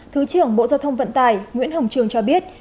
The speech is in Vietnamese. thứ trưởng bộ giao thông vận tải nguyễn hồng trường cho biết